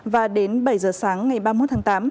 và đến bảy giờ sáng ngày ba mươi một tháng tám